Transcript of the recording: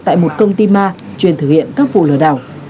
tại một công ty ma chuyên thực hiện các vụ lừa đảo